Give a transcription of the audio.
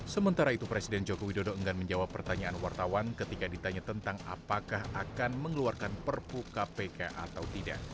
sementara itu presiden joko widodo enggan menjawab pertanyaan wartawan ketika ditanya tentang apakah akan mengeluarkan perpu kpk atau tidak